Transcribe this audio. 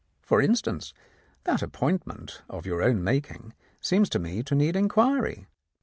For instance, that appointment of your own making seems to me to need inquiry.